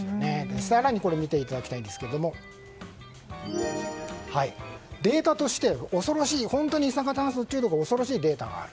更に見ていただきたいんですが本当に一酸化炭素中毒の恐ろしいデータがある。